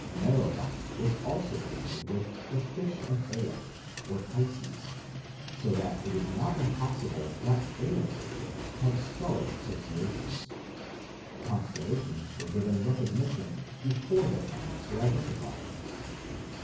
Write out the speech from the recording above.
Merodach was also connected with "the fish of Ea" (Pisces), so that it is not improbable that Ea worship had stellar associations. Constellations were given recognition before the planets were identified.